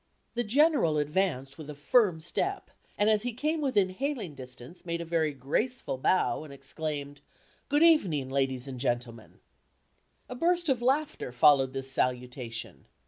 The General advanced with a firm step, and as he came within hailing distance made a very graceful bow, and exclaimed, "Good evening, Ladies and Gentlemen!" A burst of laughter followed this salutation.